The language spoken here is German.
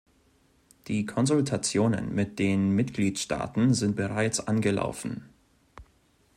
Die Konsultationen mit den Mitgliedstaaten sind bereits angelaufen.